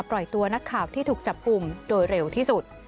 ปล่อยตัวนักข่าวที่ถูกจับกลุ่มโดยเร็วที่สุด